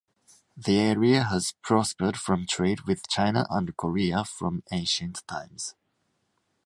The area has prospered from trade with China and Korea from ancient times.